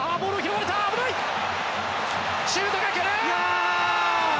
シュートが来る！